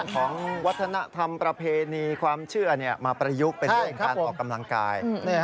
ของวัฒนธรรมประเพณีความเชื่อมาประยุกต์เป็นเรื่องการออกกำลังกาย